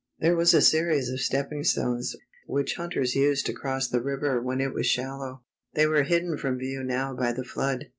There was a series of stepping stones, which hunters used to cross the river when it was shal low. They were hidden from view now by the flood.